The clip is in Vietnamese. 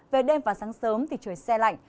về đêm và sáng sớm thì trời xe lạnh